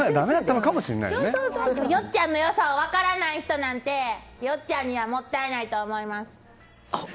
よっちゃんの良さを分からない人なんてよっちゃんにはもったいないと思います。